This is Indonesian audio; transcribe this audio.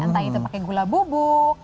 entah itu pakai gula bubuk